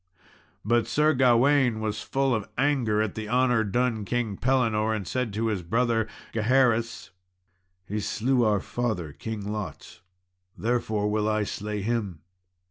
But Sir Gawain was full of anger at the honour done King Pellinore, and said to his brother Gaheris, "He slew our father, King Lot, therefore will I slay him."